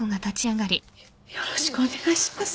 よっよろしくお願いします。